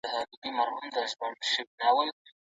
داستاني اثر ته باید له هر څه لومړی پام وسي.